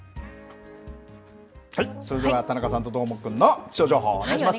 それでは田中さんとどーもくんの気象情報、お願いします。